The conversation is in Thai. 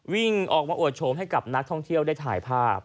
วิ่งออกมาอวดโฉมให้กับนักท่องเที่ยวได้ถ่ายภาพ